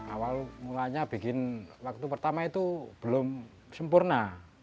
awal mulanya bikin waktu pertama itu belum sempurna